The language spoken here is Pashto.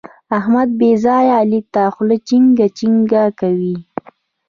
احمد بې ځايه علي ته خوله چينګه چینګه کوي.